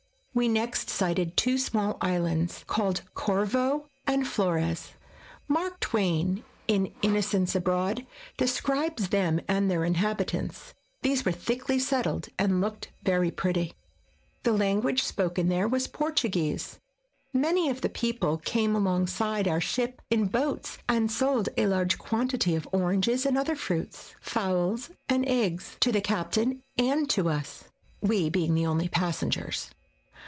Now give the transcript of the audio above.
We next sighted two small islands, called Corvo and Flores. Mark Twain, in '' Inno cents Abroad,'' describes them and their inhabitants. These were thickly settled and looked very pretty. The language SKETCHES OF TRAVEL spoken there was Portuguese. Many of the people came alongside our ship in boats, and sold a large quantity of oranges and other fruits, fowls and eggs, to the captain and to us, we being the only passengers.